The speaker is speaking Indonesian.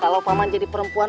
kalau paman jadi perempuan